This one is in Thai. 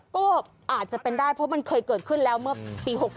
ก็อาจจะเป็นได้เพราะมันเคยเกิดขึ้นแล้วเมื่อปี๖๕